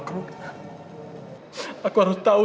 semua dari regulatory